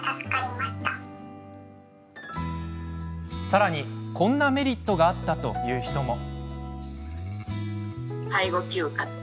さらに、こんなメリットがあったという人も。